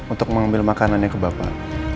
untuk mengambil makanannya ke bapak